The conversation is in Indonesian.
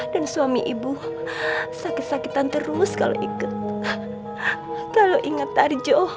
dan suami ibu sakit sakitan terus kalau ingat tarjo